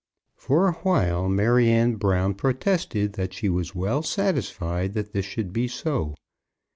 For awhile Maryanne Brown protested that she was well satisfied that this should be so.